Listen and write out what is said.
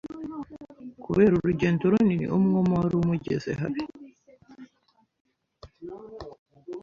Kubera urugendo runini umwuma wari umugeze habi.